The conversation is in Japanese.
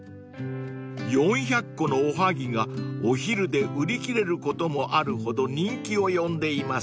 ［４００個のおはぎがお昼で売り切れることもあるほど人気を呼んでいます］